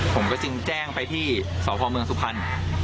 ผมก็จึงแจ้งไปที่สพเมืองสุพรรณ